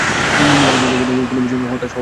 আমাদের কখনো কোনো কিছু নিয়ে হতাশ হওয়া উচিত নয়!